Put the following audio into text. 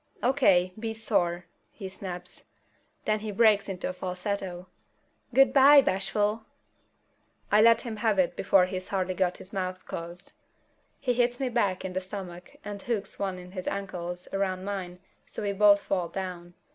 "O.K., be sore!" he snaps. Then he breaks into a falsetto: "Goo'bye, Bashful!" I let him have it before he's hardly got his mouth closed. He hits me back in the stomach and hooks one of his ankles around mine so we both fall down.